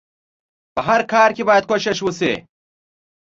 په هر کار کې بايد کوښښ وشئ.